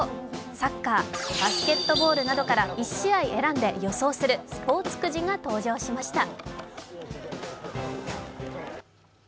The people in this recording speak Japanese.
サッカー、バスケットボールなどから１試合を選んで予想するスポーツくじが登場しました。